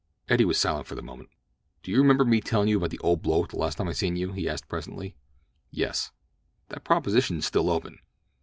Eddie was silent for a moment. "Do you remember me tellin' you about an old bloke the last time I seen you?" he asked presently. "Yes." "That proposition's still open."